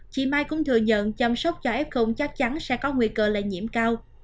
chị mai cũng thừa nhận chăm sóc cho f chắc chắn sẽ có nguy cơ lây nhiễm cao